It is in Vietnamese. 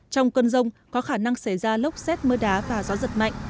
trong cơn rông có khả năng xảy ra lốc xét mưa đá và gió giật mạnh